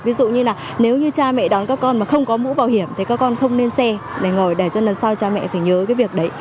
ví dụ như là nếu như cha mẹ đón các con mà không có mũ bảo hiểm thì các con không nên xe để ngồi để cho lần sau cha mẹ phải nhớ cái việc đấy